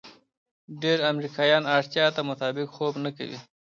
ډېر امریکایان اړتیا ته مطابق خوب نه کوي.